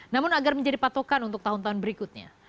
namun agar menjadi patokan untuk tahun tahun berikutnya